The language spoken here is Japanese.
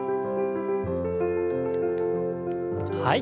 はい。